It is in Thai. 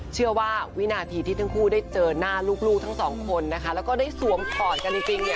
เชื่อว่าวินาทีที่ทั้งคู่ได้เจอหน้าลูกทั้งสองคนนะคะแล้วก็ได้สวมกล่อนกันจริง